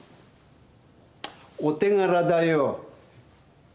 お手柄だよ。